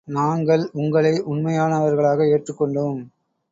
நாங்கள் உங்களை உண்மையானவர்களாக ஏற்றுக் கொண்டோம்.